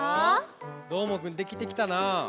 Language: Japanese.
どーもくんできてきたな。